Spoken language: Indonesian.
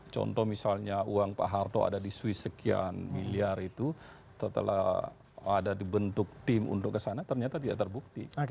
contoh misalnya uang pak harto ada di swiss sekian miliar itu setelah ada dibentuk tim untuk kesana ternyata tidak terbukti